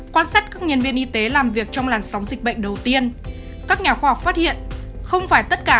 quan sát các nhân viên y tế làm việc trong làn sóng dịch bệnh đầu tiên các nhà khoa học phát hiện không phải tất cả đều mắc covid một mươi chín